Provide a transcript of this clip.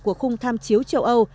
của khung tham chiếu châu âu